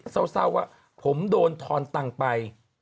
เศร้าว่าผมโดนทอนตังไป